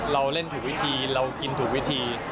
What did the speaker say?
เราเล่นถูกวิธีเรากินถูกวิธี